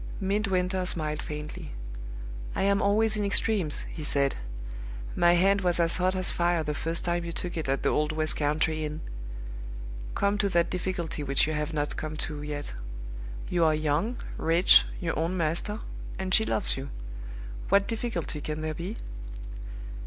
Midwinter smiled faintly. "I am always in extremes," he said; "my hand was as hot as fire the first time you took it at the old west country inn. Come to that difficulty which you have not come to yet. You are young, rich, your own master and she loves you. What difficulty can there be?"